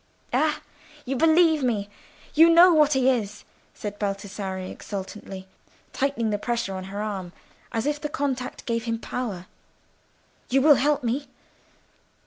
"Ah, you believe me—you know what he is!" said Baldassarre, exultingly, tightening the pressure on her arm, as if the contact gave him power. "You will help me?"